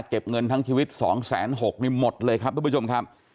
เก็บเงินทั้งชีวิตสองแสนหกมีหมดเลยครับท่านผู้ชมครับ